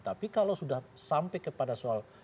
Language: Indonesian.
tapi kalau sudah sampai kepada soal kampanye gitu